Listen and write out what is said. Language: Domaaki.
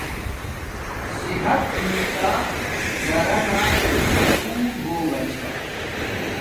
صحت ہوݵݵ تا گھرانا سکون ہوگا چھا